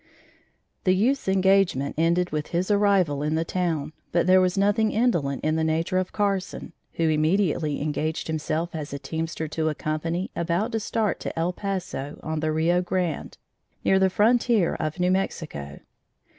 The youth's engagement ended with his arrival in the town, but there was nothing indolent in the nature of Carson, who immediately engaged himself as teamster to a company about to start to El Paso, on the Rio Grande, near the frontier of New Mexico.